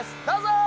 どうぞ！